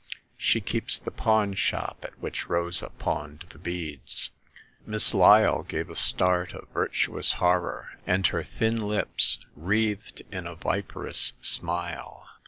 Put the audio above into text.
*' She keeps the pawn shop at which Rosa pawned the beads !'' Miss Lyle gave a start of virtuous horror, and her thin lips wreathed in a viperous smile.